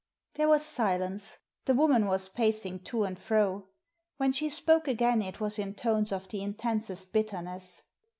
There was silence. The woman was pacing to and fro. When she spoke again it was in tones of the intensest bitterness.